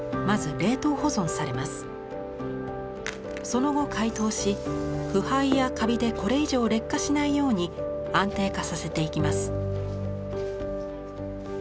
その後解凍し腐敗やカビでこれ以上劣化しないように安定化させていきます。